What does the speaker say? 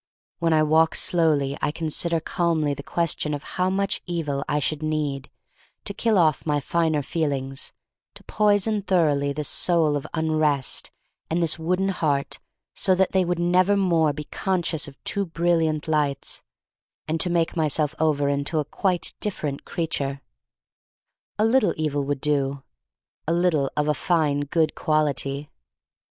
When I walk slowly I consider calmly the question of how much evil I should need to kill off my finer feelings, to poison thoroughly this soul of unrest and this wooden heart so that they would never more be conscious of too brilliant lights, and to make myself over into a quite different creature. A little evil would do — a little of a fine, good quality.